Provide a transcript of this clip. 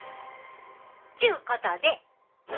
ちゅうことで。